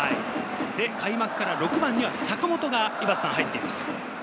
開幕から６番には坂本が入っています。